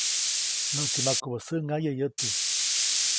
‒Näʼtsi makubä säʼŋaye yäti‒.